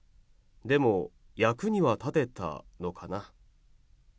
でも役には立てたのかな？